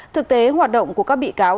thực tế hoạt động của các bị cáo